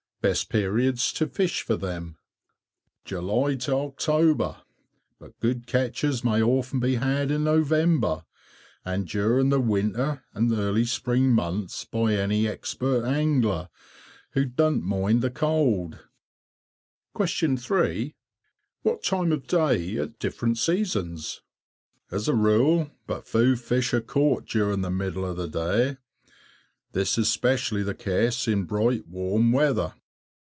Best periods to fish for them_? July to October, but good catches may often be had in November, and during the winter and early spring months by any expert angler who doesn't mind the cold. 3. What time of day at different seasons? As a rule, but few fish are caught during the middle of the day; this is especially the case in bright warm weather.